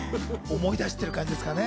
思い出してる感じですかね。